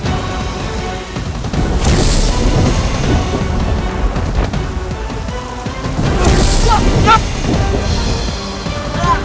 ambo telah meninggal